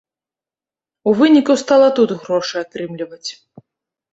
У выніку стала тут грошы атрымліваць.